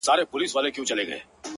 قرآن يې د ښايست ټوله صفات راته وايي’